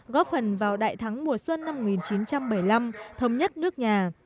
góp phần vào đại thắng mùa xuân năm một nghìn chín trăm bảy mươi năm thống nhất nước nhà